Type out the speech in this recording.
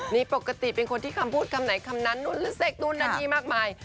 นี่ปกติเป็นคนที่คำพูดคำไหนคำนั้นนู่นเสกนู่นนั่นนี่มากมาย